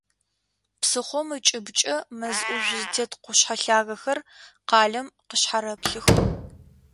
Псыхъом ыкӏыбкӏэ мэз ӏужъу зытет къушъхьэ лъагэхэр къалэм къышъхьарэплъых.